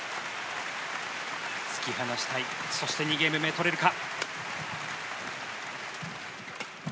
突き放したいそして２ゲーム目取れるか。